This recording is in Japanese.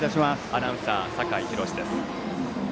アナウンサー、酒井博司です。